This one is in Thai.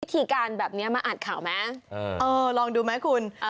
พิธีการแบบเนี้ยมาอัดข่าวมั้ยเออเออลองดูมั้ยคุณเออ